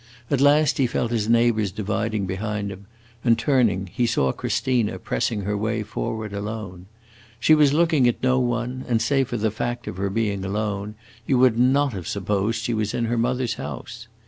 At last he felt his neighbors dividing behind him, and turning he saw Christina pressing her way forward alone. She was looking at no one, and, save for the fact of her being alone, you would not have supposed she was in her mother's house.